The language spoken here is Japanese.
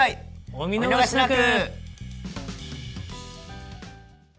お見逃しなく！